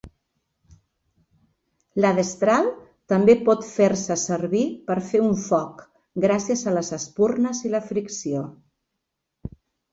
La destral també pot fer-se servir per fer un foc gràcies a les espurnes i la fricció.